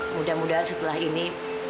mudah mudahan setelah ini